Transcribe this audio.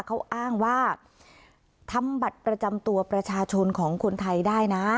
เขาอ้างว่าทำบัตรประจำตัวประชาชนของคนไทยได้นะ